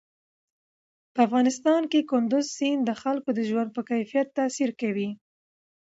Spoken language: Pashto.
په افغانستان کې کندز سیند د خلکو د ژوند په کیفیت تاثیر کوي.